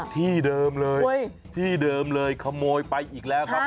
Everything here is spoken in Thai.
ที่เดิมเลยที่เดิมเลยขโมยไปอีกแล้วครับ